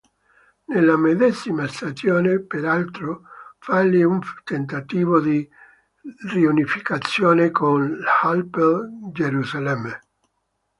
Nella medesima stagione, peraltro, fallì un tentativo di riunificazione con l'Hapoel Gerusalemme.